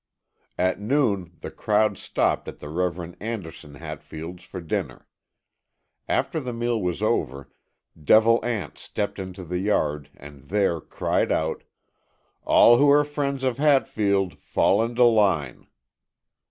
At noon the crowd stopped at the Reverend Anderson Hatfield's for dinner. After the meal was over, Devil Anse stepped into the yard and there cried out: "All who are friends of Hatfield fall into line."